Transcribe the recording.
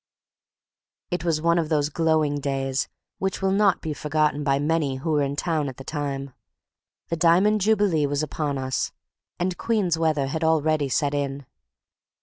It was one of those glowing days which will not be forgotten by many who were in town at the time. The Diamond Jubilee was upon us, and Queen's weather had already set in.